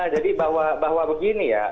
jadi bahwa begini ya